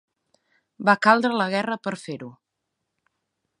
Va caldre la guerra per fer-ho.